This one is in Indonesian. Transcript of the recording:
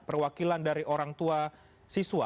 perwakilan dari orang tua siswa